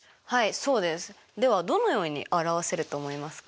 ではどのように表せると思いますか？